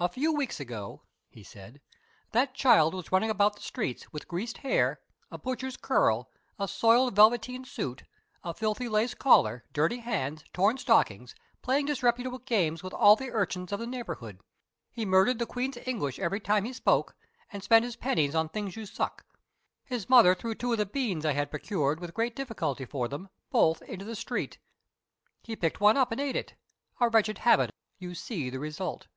"A few weeks ago," he said, "that boy was running about the streets with greased hair, a butcher's curl, a soiled velveteen suit, a filthy lace collar, dirty hands, torn stockings, playing disreputable games with all the urchins of the neighborhood. He murdered the Queen's English every time he spoke, and spent his pennies on things you suck. His mother threw two of the beans I had procured with great difficulty for them both into the street. He picked one up and ate it a wretched habit of his. You see the result."